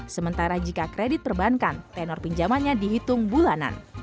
sementara jika kredit perbankan tenor pinjamannya dihitung bulanan